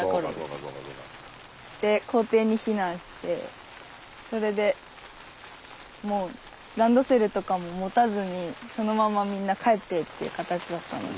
で校庭に避難してそれでもうランドセルとかも持たずにそのままみんな帰ってって形だったので。